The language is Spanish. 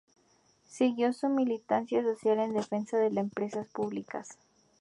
Siguió su militancia social en defensa de las empresas públicas.